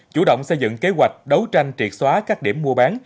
chủ động xây dựng kế hoạch đấu tranh triệt xóa các điểm mua bán